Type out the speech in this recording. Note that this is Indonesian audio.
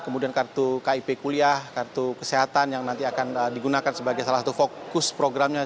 kemudian kartu kip kuliah kartu kesehatan yang nanti akan digunakan sebagai salah satu fokus programnya